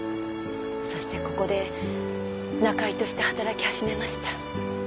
そしてここで仲居として働き始めました。